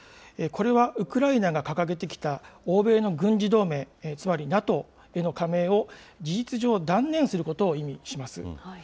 これはウクライナが掲げてきた欧米の軍事同盟、つまりＮＡＴＯへの加盟を事実上、断念することを意味します。